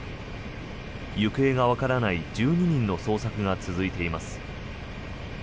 行方がわからない１２人の捜索が続いています。